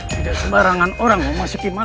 tidak sebarangan orang ulam susungsa